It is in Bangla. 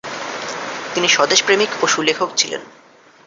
তিনি স্বদেশপ্রেমিক ও সুলেখক ছিলেন।